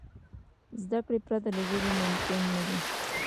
زدهکړې پرته له ژبي ممکن نه دي.